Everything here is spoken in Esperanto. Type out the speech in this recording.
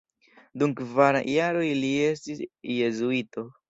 Dum kvar jaroj li estis jezuito.